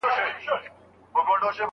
شمع یم وروستۍ ځلا مي وګوره ختمېږمه